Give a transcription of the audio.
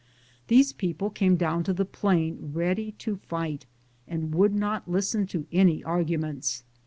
These people came down to the plain ready to fight, and would not listen to any argu ments.